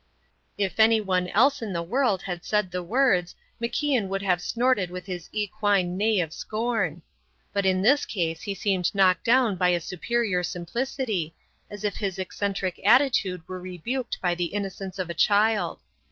If anyone else in the world had said the words, MacIan would have snorted with his equine neigh of scorn. But in this case he seemed knocked down by a superior simplicity, as if his eccentric attitude were rebuked by the innocence of a child.